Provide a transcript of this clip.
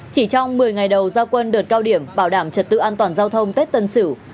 chỉ trong một mươi ngày đầu giao quân đợt cao điểm bảo đảm trật tự an toàn giao thông tết tân sử